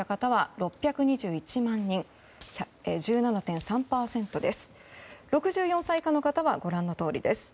６４歳以下の方はご覧のとおりです。